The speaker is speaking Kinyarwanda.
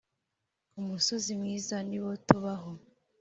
umusozi mwiza niwo tubaho